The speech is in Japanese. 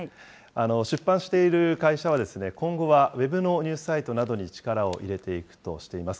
出版している会社は、今後はＷＥＢのニュースサイトなどに力を入れていくとしています。